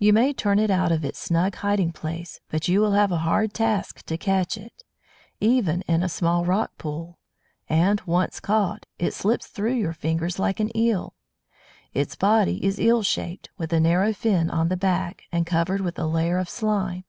You may turn it out of its snug hiding place, but you will have a hard task to catch it, even in a small rock pool, and, once caught, it slips through your fingers like an eel. Its body is eel shaped, with a narrow fin on the back, and covered with a layer of slime.